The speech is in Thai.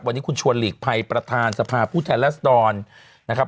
วันนี้คุณชวนหลีกภัยประธานสภาผู้แทนรัศดรนะครับ